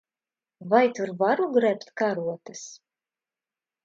Vai tur varu grebt karotes?